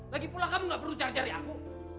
lagipula kamu gak perlu cari cari aku